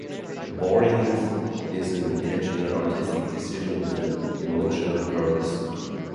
The boringness is an intentional artistic decision with an emotional purpose.